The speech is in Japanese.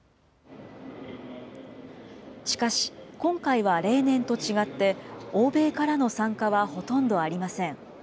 しかし、今回は例年と違って、欧米からの参加はほとんどありません。